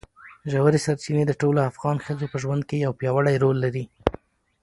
ژورې سرچینې د ټولو افغان ښځو په ژوند کې یو پیاوړی رول لري.